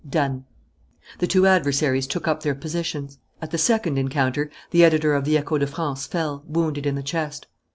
"Done." The two adversaries took up their positions. At the second encounter, the editor of the Echo de France fell, wounded in the chest.